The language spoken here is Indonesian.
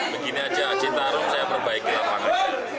begini aja citarum saya perbaiki lapangan